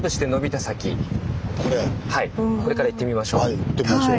これから行ってみましょう。